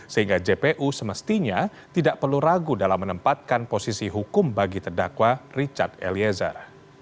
sehingga jpu semestinya tidak perlu ragu dalam menempatkan posisi hukum bagi terdakwa richard eliezer